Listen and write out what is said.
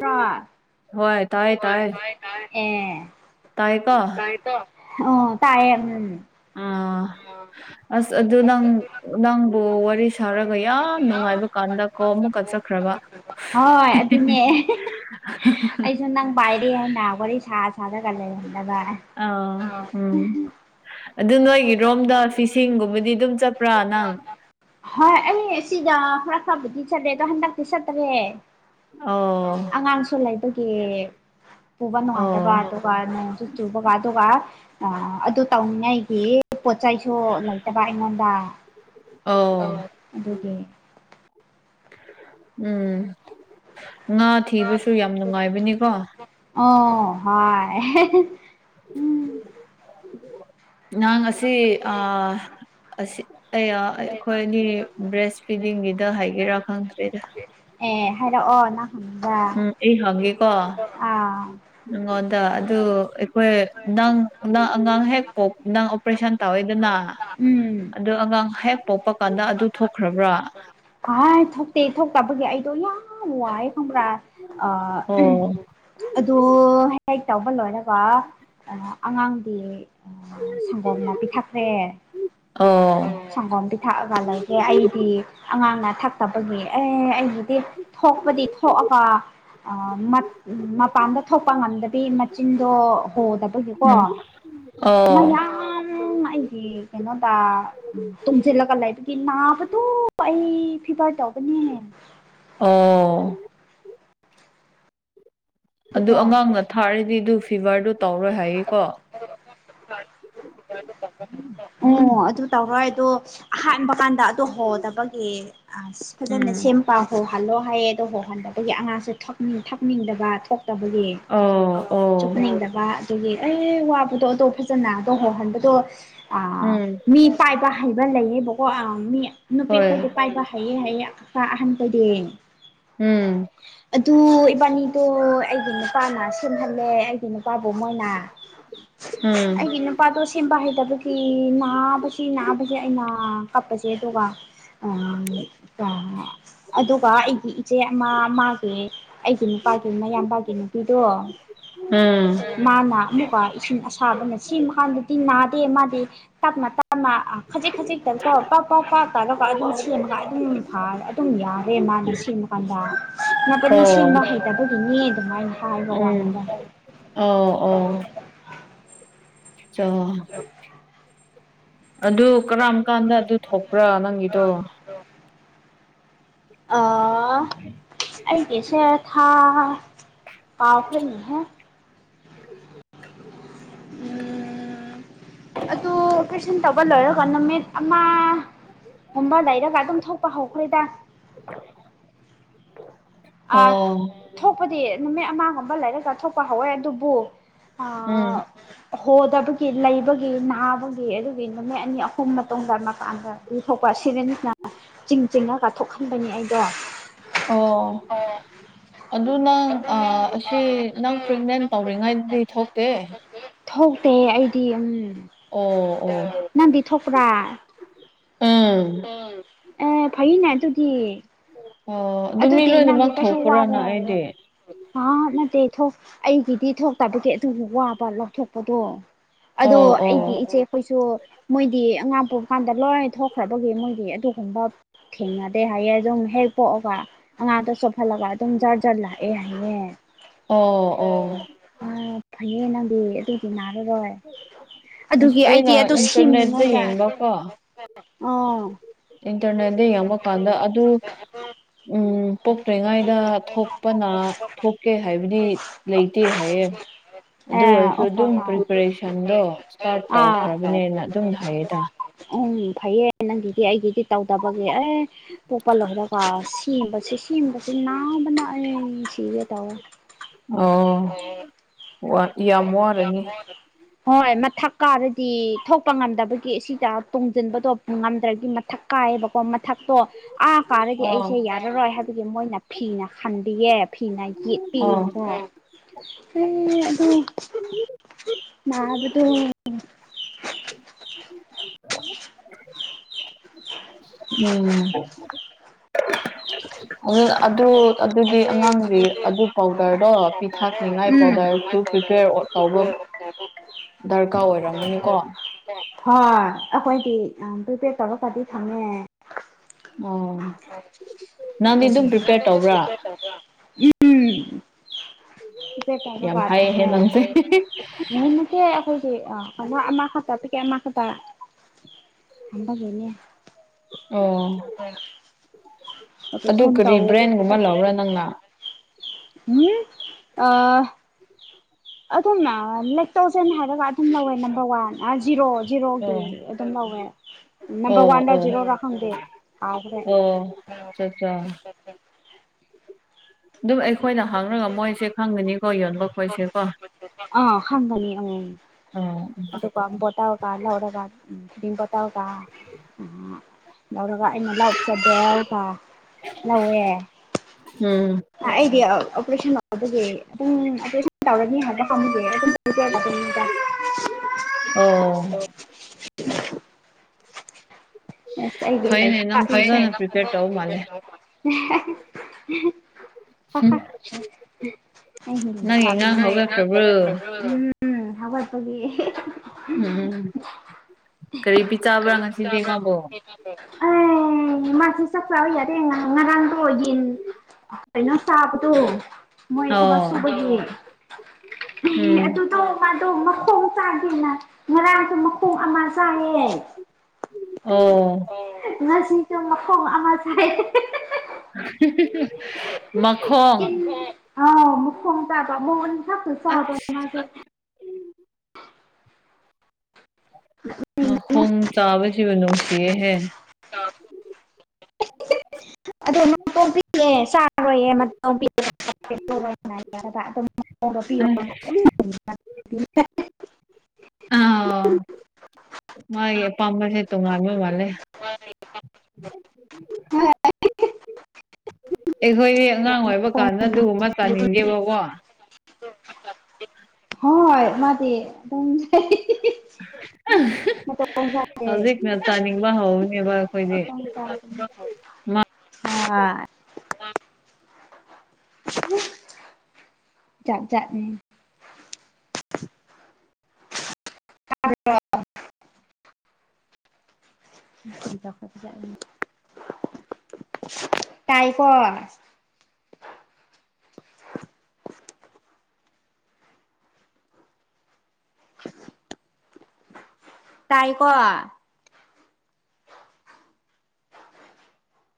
ꯄ꯭ꯔꯥ꯫ ꯍꯣꯏ꯫ ꯇꯥꯏ ꯍꯣꯏ ꯇꯥꯏ ꯇꯥꯑꯦ-ꯇꯥꯑꯦ ꯀꯦ ꯇꯥꯏꯀꯣ ꯇꯥꯏꯀꯣ ꯑꯣ ꯇꯥꯏꯌꯦ ꯎꯝ꯫ ꯑꯥ [unintelligible] ꯑꯁ ꯑꯗꯨ ꯅꯪ ꯅꯪꯕꯨ ꯋꯥꯔꯤ ꯁꯥꯔꯒ ꯌꯥꯝ ꯅꯨꯡꯉꯥꯏꯕ ꯀꯥꯟꯗ ꯀꯣ ꯑꯃꯨꯛꯀ ꯀꯠꯆꯈ꯭ꯔꯕ꯫ ꯍꯣꯏ ꯑꯗꯨꯅꯦ [unintelligible] ꯑꯩꯁꯨ ꯅꯪ ꯄꯥꯏꯔꯦ ꯍꯥꯏꯅ ꯋꯥꯔꯤ ꯁꯥ ꯁꯥꯔꯒ ꯂꯩꯔꯝꯗꯕ꯫ ꯑ ꯎꯝ꯫ ꯑꯗꯨ ꯅꯣꯏꯒꯤꯔꯣꯝꯗ ꯐꯤꯁꯤꯡꯒꯨꯝꯕꯗꯤ ꯑꯗꯨꯝ ꯆꯠꯄ꯭ꯔꯥ ꯅꯪ꯫ ꯍꯣꯏ ꯑꯩ ꯁꯤꯗ ꯈꯔ ꯈꯔꯕꯨꯗꯤ ꯆꯠꯂꯦ ꯑꯗꯣ ꯍꯟꯗꯛꯇꯤ ꯆꯠꯇ꯭ꯔꯦ꯫ ꯑꯣ ꯑꫭ ꯑꯉꯥꯡꯁꯨ ꯂꯩꯕꯒꯤ꯫ ꯄꯨꯕ ꯅꯨꯡꯉꯥꯏꯇꯕ ꯑꯣ ꯑꯗꯨꯒ ꯅꯣꯡꯁꯨ ꯆꯨꯕꯒ ꯑꯗꯨꯒ ꯑꯗꯨ ꯇꯧꯅꯤꯉꯥꯏꯒꯤ ꯄꯣꯠ ꯆꯩꯁꯨ ꯂꯩꯇꯕ ꯑꯩꯉꯣꯟꯗ ꯑꯣ ꯑꯧ ꯑꯗꯨꯒꯤ꯫ ꯎꯝ ꯉꯥ ꯊꯤꯕꯁꯨ ꯌꯥꯝ ꯅꯨꯡꯉꯥꯏꯕꯅꯤꯀꯣ꯫ ꯑꯣ ꯍꯣꯏ꯫ [unintelligible] ꯎꯝ ꯅꯪ ꯉꯁꯤ ꯑꯥ ꯑꯁꯤ ꯑꯩ ꯌꯥ ꯑꯩꯈꯣꯏ ꯑꯅꯤ ꯕ꯭ꯔꯦꯁ ꯐꯤꯗꯤꯡꯒꯤꯗ ꯍꯥꯏꯒꯦꯔꯥ ꯈꯪꯗ꯭ꯔꯦꯗ꯫ ꯑꯦ ꯍꯥꯏꯔꯛꯑꯣ ꯅꯪ ꯍꯪꯕ ꯎꯝ ꯑꯩ ꯍꯪꯒꯦꯀꯣ ꯑꯥ꯫ ꯅꯪꯉꯣꯟꯗ ꯑꯗꯨ ꯑꯩꯈꯣꯏ ꯅꯪ ꯅꯪ ꯑꯉꯥꯡ ꯍꯦꯛ ꯄꯣꯛ ꯅꯪ ꯑꯣꯄꯔꯦꯁꯟ ꯇꯧꯌꯦ ꯗꯨꯅ ꯎꯝ ꯑꯗꯨ ꯑꯉꯥꯡ ꯍꯦꯛ ꯄꯣꯛꯄ ꯀꯥꯟꯗ ꯑꯗꯨ ꯊꯣꯛꯈ꯭ꯔꯕ꯭ꯔꯥ ꯑꯥꯏ ꯊꯣꯛꯇꯦ ꯊꯣꯛꯇꯕꯒꯤ ꯑꯩꯗꯣ ꯌꯥꯝ ꯋꯥꯏ ꯈꯪꯕ꯭ꯔꯥ ꯑ ꯑꯣ ꯑꯗꯨ ꯍꯦꯛ ꯇꯧꯕ ꯂꯣꯏꯔꯒ ꯑꯉꯥꯡꯗꯤ ꯑꯥ ꯁꯪꯒꯣꯝꯅ ꯄꯤꯊꯛꯈ꯭ꯔꯦ ꯑꯣ ꯁꯪꯒꯣꯝ ꯄꯤꯊꯛꯑꯒ ꯂꯩꯒꯦ ꯑꯩꯗꯤ ꯑꯉꯥꯡꯅ ꯊꯛꯇꯕꯒꯤ ꯑꯦ ꯑꯩꯒꯤ ꯊꯣꯛꯄꯗꯤ ꯊꯣꯛꯑꯒ ꯑ ꯃꯠ ꯎꯝ ꯃꯄꯥꯟꯗ ꯊꯣꯛꯄ ꯉꯝꯗꯕꯤ ꯃꯆꯤꯟꯗꯣ ꯍꯣꯗꯕꯒꯤꯀꯣ ꯎꯝ ꯑꯣ ꯁꯨꯝ ꯑꯩꯒꯤ ꯀꯩꯅꯣꯗ ꯎꯝ ꯇꯨꯝꯖꯤꯜꯂꯒ ꯂꯩꯕꯒꯤ ꯅꯥꯕꯗꯨ ꯑꯩ ꯐꯤꯚꯔ ꯇꯧꯕꯅꯦ ꯑꯣ ꯑꯗꯨ ꯑꯗꯨꯗꯣ ꯑꯉꯥꯡꯅ ꯊꯥꯔꯗꯤꯗꯨ ꯐꯤꯚꯔꯗꯨ ꯇꯧꯔꯣꯏ ꯍꯥꯏꯌꯦꯀꯣ [unintelligible] ꯑꯣ ꯑꯗꯨ ꯇꯧꯔꯣꯏ ꯍꯥꯏꯗꯣ ꯑꯍꯥꯟꯕ ꯀꯥꯟꯗ ꯇꯨ ꯍꯣꯗꯕꯒꯤ ꯑꯁ ꯎꯝ ꯐꯖꯅ ꯁꯦꯝ ꯄꯥ ꯍꯣꯍꯜꯂꯣ ꯍꯥꯏꯌꯦ ꯑꯗꯣ ꯍꯣꯍꯟꯗꯕꯒꯤ ꯑꯉꯥꯡꯁꯦ ꯊꯛꯅꯤꯡ ꯊꯛꯅꯤꯡꯗꯕ ꯊꯣꯛꯇꯕꯒꯤ ꯑꯧ ꯑꯣ ꯆꯨꯞꯅꯤꯡꯗꯕ ꯑꯗꯨꯒꯤ ꯑꯦ ꯋꯥꯕꯗꯣ ꯑꯗꯣ ꯐꯖꯅ ꯑꯗꯣ ꯍꯣꯍꯟꯕꯗꯣ ꯑꯥ ꯎꯝ ꯃꯤ ꯄꯥꯏꯕ ꯍꯩꯕ ꯂꯩꯌꯦꯕꯀꯣ ꯑꯥ ꯃꯤ ꯅꯨꯄꯤ ꯍꯣꯏ ꯑꯩꯈꯣꯏꯗꯤ ꯄꯥꯏꯕ ꯍꯩꯌꯦ ꯍꯥꯏꯌꯦ ꯄꯥ ꯑꯍꯟꯕꯩꯗꯤ ꯎꯝ ꯑꯗꯨ ꯏꯕꯥꯅꯤꯗꯣ ꯑꯩꯒꯤ ꯅꯨꯄꯥꯅ ꯁꯦꯝꯍꯜꯂꯦ ꯑꯩꯒꯤ ꯅꯨꯄꯥꯕꯨ ꯃꯣꯏꯅ ꯎꯝ ꯑꯩꯒꯤ ꯅꯨꯞ ꯄꯥꯗꯣ ꯁꯦꯝꯕ ꯍꯩꯇꯕꯒꯤ ꯅꯥꯕꯁꯤ ꯅꯥꯕꯁꯤ ꯑꯩꯅ ꯀꯞꯄꯁꯦ ꯑꯗꯨꯒ [unintelligible] ꯑꯗꯨꯒ ꯑꯩꯒꯤ ꯏꯆꯦ ꯑꯃ ꯃꯥꯒꯤ ꯑꯩꯒꯤ ꯅꯨꯄꯥꯒꯤ ꯃꯌꯥꯝꯕꯒꯤ ꯅꯨꯄꯤꯗꯣ ꯎꯝ ꯃꯥꯅ ꯑꯃꯨꯛꯀ ꯏꯁꯤꯡ ꯑꯁꯥꯕꯅ ꯁꯤ ꯃꯀꯥꯟꯗꯗꯤ ꯅꯥꯗꯦ ꯃꯥꯗꯤ ꯇꯞꯅ ꯇꯞꯅ ꯈꯖꯤꯛ ꯈꯖꯤꯛꯇꯀꯣ ꯀꯣꯛ ꯀꯣꯛ ꯀꯣꯛ ꯇꯧꯔꯒꯀꯣ ꯑꯗꯨꯝ ꯁꯦꯝꯃꯒ ꯑꯗꯨꯝ ꯐꯔꯦ ꯑꯗꯨꯝ ꯌꯥꯒꯔꯦ ꯃꯥꯅ ꯁꯦꯝꯃꯒ ꯀꯟꯗ ꯅꯄꯅꯤ ꯑꯣ ꯁꯦꯝꯕ ꯍꯩꯇꯕꯒꯤꯅꯤ ꯑꯗꯨꯃꯥꯏꯅ ꯍꯥꯏꯕ ꯎꯝ ꯋꯥꯅꯤꯗ ꯑꯣ ꯑꯣ ꯆꯣ ꯑꯗꯨ ꯀꯔꯝ ꯀꯥꯟꯗ ꯑꯗꯨ ꯊꯣꯛꯄ꯭ꯔꯥ ꯅꯪꯒꯤꯗꯣ ꯗꯣ ꯑꯥ ꯑꯩꯒꯤꯁꯦ ꯊꯥ ꯀꯥꯎꯈ꯭ꯔꯦꯅꯦꯍꯦ ꯎꯝ ꯑꯗꯨ ꯑꯣꯄ꯭ꯔꯦꯁꯟ ꯇꯧꯕ ꯂꯣꯏꯔꯒ ꯅꯨꯃꯤꯠ ꯑꯃ ꯒꯨꯝꯕ ꯂꯩꯔꯒ ꯑꯗꯨꯝ ꯊꯣꯛꯄ ꯍꯧꯈ꯭ꯔꯦꯗ [inaudible] ꯑꯥ ꯊꯣꯛꯄꯗꯤ ꯅꯨꯃꯤꯠ ꯑꯃꯒꯨꯝꯕ ꯂꯩꯔꯒ ꯊꯣꯛꯄ ꯍꯧꯋꯦ ꯑꯗꯨꯕꯨ ꯎꯝ ꯑꯥ ꯍꯣꯗꯕꯒꯤ ꯂꯩꯕꯒꯤ ꯅꯥ ꯕꯒꯤ ꯑꯗꯨꯒꯤ ꯅꯨꯃꯤꯠ ꯑꯅꯤ ꯑꯍꯨꯝ ꯃꯇꯨꯡꯗ ꯃꯄꯥꯟꯗ ꯄꯨꯊꯣꯛꯄ ꯁꯤꯔꯤꯟꯅ ꯆꯤꯡ ꯆꯤꯡꯉꯒ ꯊꯣꯛꯍꯟꯕꯅꯤ ꯑꯩꯗꯣ ꯑꯣ ꯑꯦ ꯑꯗꯨ ꯅꯪ ꯑꯥ ꯑꯁꯤ ꯅꯪ ꯄ꯭ꯔꯦꯟꯅꯦꯟ ꯇꯧꯔꯤꯉꯩꯗꯗꯤ ꯊꯣꯛꯇꯦ ꯊꯣꯛꯇꯦ ꯑꯩꯗꯤ ꯎꯝ ꯑꯣ ꯑꯣ ꯅꯪꯗꯤ ꯊꯣꯛꯄ꯭ꯔꯥ ꯎꯝ ꯑꯣ ꯐꯩꯅꯦ ꯑꯗꯨꯗꯤ ꯑꯣ ꯑꯗꯨ ꯃꯤ ꯑꯗꯨꯗꯤ ꯅꯪꯗꯤ ꯂꯣꯏꯅꯃꯛ ꯀꯩꯁꯨ ꯊꯣꯛꯄ꯭ꯔꯥꯅ ꯋꯥꯔꯣꯏ ꯑꯩꯗꯤ ꯑꯥ ꯅꯠꯇꯦ ꯊꯣꯛ ꯑꯩꯒꯤꯗꯤ ꯊꯣꯛꯇꯕꯒꯤ ꯑꯗꯨꯒꯤ ꯋꯥꯕ ꯂꯧꯊꯣꯛꯄꯗꯣ ꯑꯗꯣ ꯑꯣ ꯑꯣ ꯑꯩꯒꯤ ꯏꯆꯦ ꯈꯣꯏꯁꯨ ꯃꯣꯏꯗꯤ ꯑꯉꯥꯡ ꯄꯥꯛꯄ ꯀꯥꯟꯗ ꯂꯣꯏ ꯊꯣꯛꯈ꯭ꯔꯕꯒꯤ ꯃꯣꯏꯗꯤ ꯑꯗꯨꯒꯨꯝꯕ ꯊꯦꯡꯅꯗꯦ ꯍꯥꯏꯌꯦ ꯑꯗꯨꯝ ꯍꯦꯛ ꯄꯣꯛꯑꯣ ꯑꯉꯥꯡꯗꯣ ꯆꯣꯞꯍꯜꯂꯒ ꯑꯗꯨꯝ ꯖꯥꯔ ꯖꯥꯔ ꯂꯥꯛꯑꯦ ꯍꯥꯏꯌꯦ ꯑꯣ ꯑꯣ ꯑꯥ ꯐꯩꯌꯦ ꯅꯪꯗꯤ ꯑꯗꯨꯗꯤ ꯅꯥꯔꯔꯣꯏ ꯑꯁ ꯑꯗꯨꯒꯤ ꯑꯩꯗꯤ ꯑꯩꯅ ꯑꯗꯨ ꯏꯟꯇꯔꯅꯦꯠꯇ ꯁꯤꯃꯤꯉꯩꯗ ꯌꯦꯡꯕꯀꯣ ꯑꯣ ꯏꯟꯇꯔꯅꯦꯠꯗ ꯌꯦꯡꯕꯀꯥꯟꯗ ꯑꯗꯨ ꯎꯝ ꯄꯣꯛꯇ꯭ꯔꯤꯉꯥꯏꯗ ꯊꯣꯛꯄꯅ ꯊꯣꯛꯀꯦ ꯍꯥꯏꯕꯗꯤ ꯂꯩꯇꯦ ꯍꯥꯏꯌꯦ ꯑꯗꯨ ꯑꯦ ꯑꯣꯏꯔꯁꯨ ꯑꯣ ꯍꯣ ꯑꯗꯨꯝ ꯍꯣꯏ ꯄ꯭ꯔꯤꯄꯦꯔꯦꯁꯟꯗꯣ ꯏꯁꯇꯥꯔꯠ ꯑꯥ ꯇꯧꯈ꯭ꯔꯕꯅꯦꯅ ꯑꯗꯨꯝ ꯍꯥꯏꯌꯦꯗ ꯎꯝ ꯐꯩꯌꯦ ꯅꯪꯒꯤꯗꯤ ꯑꯩꯒꯤꯗꯤ ꯇꯧꯗꯕꯒꯤ ꯑꯦ ꯄꯣꯛꯄ ꯂꯣꯏꯔꯒ ꯁꯤꯝꯕꯁꯤ ꯁꯤꯝꯕꯁꯤ ꯅꯥꯕꯅ ꯑꯩ ꯁꯤꯒꯦ ꯇꯧꯋꯦ ꯑꯣ ꯋꯥ ꯌꯥꯝ ꯋꯥꯔꯅꯤ ꯍꯣꯏ ꯃꯊꯛ ꯀꯥꯔꯗꯤ ꯊꯣꯛꯄ ꯉꯝꯗꯕꯒꯤ ꯑꯁꯤꯗ ꯇꯨꯡꯖꯤꯟꯕꯗꯣ ꯉꯝꯗ꯭ꯔꯗꯤ ꯃꯊꯛ ꯀꯥꯏꯌꯦꯕꯀꯣ ꯃꯊꯛꯇꯣ ꯑꯥ ꯀꯥꯔꯗꯤ ꯑ ꯑꯩꯁꯦ ꯌꯥ ꯌꯥꯔꯣꯏ ꯍꯥꯏꯕꯒꯤ ꯃꯣꯏꯅ ꯐꯤꯅ ꯈꯟꯕꯤꯌꯦ ꯐꯤꯅ ꯑ ꯌꯦꯠꯄꯤꯑꯦꯕꯀꯣ ꯎꯝ ꯑꯗꯨ ꯅꯥꯕꯗꯨ [inaudible] ꯎꯝ [inaudible] ꯑꯗꯨ ꯑꯗꯨ ꯑꯗꯨꯗꯤ ꯑꯉꯥꯡꯒꯤ ꯑꯗꯨ ꯄꯥꯎꯗꯔꯗꯣ ꯄꯤꯊꯛꯅꯤꯉꯥꯏ ꯎꯝ ꯄꯥꯎꯗꯔꯁꯨ ꯄ꯭ꯔꯤꯄꯦꯌꯔ ꯑꯣꯠ ꯇꯧꯕ [inaudible] ꯗꯔꯀꯥꯔ ꯑꯣꯏꯔꯝꯒꯅꯤꯀꯣ ꯍꯣꯏ ꯑꯈꯣꯏꯗꯤ ꯑꯝ ꯄ꯭ꯔꯤꯄꯦꯌꯔ ꯇꯧꯔꯒꯗꯤ ꯊꯝꯃꯦ ꯑꯣ [inaudible] [unintelligible] ꯅꯪꯗꯤ ꯑꯗꯨꯝ ꯇꯦ ꯄ꯭ꯔꯤꯄꯦꯌꯔ ꯇꯧꯕ꯭ꯔꯥ ꯌꯥꯝ ꯍꯥꯏꯌꯦꯍꯦ ꯅꯪꯁꯦ ꯑꯩꯈꯣꯏꯗꯤ ꯑꯥ ꯋꯥ ꯑꯃꯥ ꯈꯠꯇ ꯄꯤꯀꯦꯠ ꯑꯃꯥ ꯈꯠꯇ ꯊꯝꯕꯒꯤꯅꯦ ꯑꯣ ꯑꯗꯨ ꯀꯔꯤ ꯕ꯭ꯔꯦꯟꯒꯨꯝꯕ ꯂꯧꯕ꯭ꯔꯥ ꯅꯪꯅ [unintelligible] ꯑꯗꯨꯝꯅ ꯂꯦꯛꯇꯣꯖꯦꯟ ꯍꯥꯏꯔꯒ ꯑꯗꯨꯝ ꯂꯧꯋꯦ ꯅꯝꯕꯔ ꯋꯥꯟ ꯑꯥ ꯖꯤꯔꯣ ꯖꯤꯔꯣꯒꯤ ꯑꯣ ꯑꯗꯨꯝ ꯂꯧꯋꯦ ꯅꯝꯕꯔ ꯑꯣ ꯋꯥꯟꯂ ꯑꯣ ꯖꯤꯔꯣꯔ ꯈꯪꯗꯦ ꯀꯥꯎꯒ꯭ꯔꯦ ꯑꯣ [unintelligible] ꯗꯨ ꯑꯩꯈꯣꯏꯅ ꯍꯪꯔꯒ ꯃꯣꯏꯁꯦ ꯈꯪꯒꯅꯤꯀꯣ ꯌꯣꯟꯕ ꯈꯣꯏꯁꯦꯀꯣ ꯑꯥ ꯈꯪꯒꯅꯤ ꯑꯝ [unintelligible] ꯑꯗꯨꯀ ꯕꯣꯇꯜꯀꯥ ꯂꯧꯔꯒ ꯗꯤꯟ ꯕꯣꯇꯜꯀꯥ ꯎꯝ ꯂꯧꯔꯒ ꯑꯩꯅ ꯂꯧ꯫ [inaudible] ꯂꯧꯋꯦ꯫ ꯎꯝ ꯑꯩꯗꯤ ꯑꯣꯄꯔꯦꯁꯟ ꯑꯣꯏꯕꯒꯤ ꯑꯗꯨꯝ ꯑꯣꯄꯔꯦꯁꯟ ꯇꯧꯔꯅꯤ ꯍꯥꯏꯕ ꯈꯪꯕꯒꯤ꯫ [inaudible] ꯑꯣ꯫ ꯐꯩꯅꯦ ꯅꯪ [unintelligible] ꯐꯖꯅ ꯄ꯭ꯔꯤꯄꯦꯌꯔ ꯇꯧ ꯃꯥꯜꯂꯦ [inaudible] [unintelligible] [unintelligible] [inaudible] ꯎꯝ ꯅꯪꯒꯤ ꯑꯉꯥꯡ ꯍꯧꯒꯠꯈ꯭ꯔꯕ꯭ꯔꯣ ꯍꯧꯒꯠꯄꯒꯤ [unintelligible] ꯎꯝ ꯀꯔꯤ ꯄꯤ ꯆꯥꯕ꯭ꯔꯥ ꯉꯁꯤꯗꯤ ꯃꯥꯕꯨ꯫ [inaudible] ꯑꯩ ꯃꯥꯁꯤ ꯆꯥꯛ ꯆꯥꯎ ꯌꯥꯗꯦ ꯉ ꯉꯔꯥꯡꯗꯣ ꯌꯦꯟ ꯀꯩꯅꯣ ꯆꯥꯕꯗꯨ ꯃꯣꯏ ꯊꯕꯛ ꯑꯣ ꯁꯨꯕꯒꯤ ꯎꯝ [unintelligible] ꯑꯗꯨ [unintelligible] ꯃꯥꯗꯣ ꯃꯈꯣꯡ ꯆꯥꯒꯦꯅ ꯉꯔꯥꯡꯁꯨ ꯃꯈꯣꯡ ꯑꯃ ꯆꯥꯏꯌꯦ꯫ ꯑꯣ꯫ ꯉꯁꯤꯁꯨ ꯃꯈꯣꯡ ꯑꯃ ꯆꯥꯏ [unintelligible] [unintelligible] ꯃꯈꯣꯡ꯫ ꯑꯧ ꯃꯈꯣꯡ ꯆꯥꯕ ꯃꯋꯨꯟ ꯈꯛꯇ ꯆꯥꯕ ꯑꯁ ꯃꯥꯁꯦ꯫ ꯃꯈꯣꯡ ꯆꯥꯕꯁꯤꯕꯨ ꯅꯨꯡꯁꯤꯌꯦꯍꯦ꯫ [unintelligible] [inaudible] ꯑꯁ [unintelligible] ꯑꯥꯎ ꯃꯥꯒꯤ ꯑꯄꯥꯝꯕꯁꯦ ꯇꯣꯉꯥꯟꯕ ꯃꯥꯜꯂꯦ꯫ ꯑꯩꯈꯣꯏꯗꯤ ꯑꯉꯥꯡ ꯑꯣꯏꯕ ꯀꯥꯟꯗ ꯑꯗꯨꯒꯨꯝꯕ ꯇꯥꯅꯤꯡꯗꯦꯕꯀꯣ꯫ ꯍꯣꯏ ꯃꯥꯗꯤ ꯑꯗꯨꯝ ꯆꯥꯏ [unintelligible] ꯃꯇꯣꯡ ꯆꯥꯗꯦ꯫ ꯍꯧꯖꯤꯛꯅ ꯆꯥꯅꯤꯡꯕ ꯍꯥꯎꯕꯅꯦꯕ꯫ [unintelligible] ꯍꫭꯏ꯫ ꯖꯥꯠ ꯖꯥꯠꯅꯦ꯫ [inaudible] ꯇꯥꯏꯀꯣ꯫ ꯇꯥꯏꯀꯣ꯫